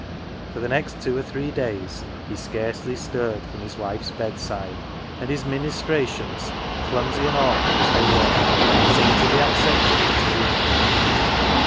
For the next two or 'three days he scarcely stirred from his wife's bedside, and his ministrations, clumsy and awkward as they were, seemed to be acceptable to the invalid.